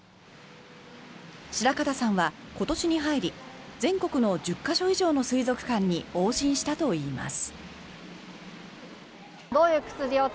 白形さんは今年に入り全国の１０か所以上の水族館に往診したといいます。